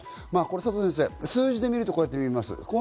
数字で見るとこう見ます。